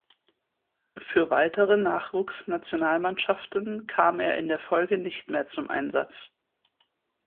Für weitere Nachwuchsnationalmannschaften kam er in der Folge nicht mehr zum Einsatz.